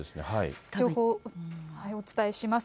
情報、お伝えします。